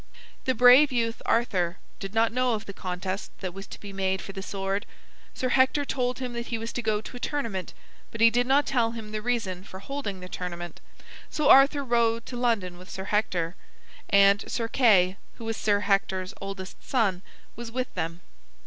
The brave youth Arthur did not know of the contest that was to be made for the sword. Sir Hector told him that he was to go to a tournament, but he did not tell him the reason for holding the tournament. So Arthur rode to London with Sir Hector; and Sir Kay, who was Sir Hector's oldest son, was with them.